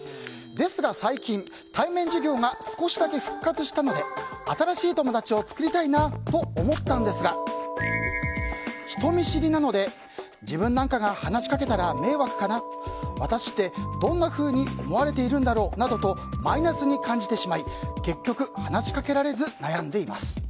ですが最近、対面授業が少しだけ復活したので新しい友達を作りたいなと思ったんですが人見知りなので自分なんかが話しかけたら迷惑かな私ってどんなふうに思われているんだろうとマイナスに感じてしまい結局話しかけられず悩んでいます。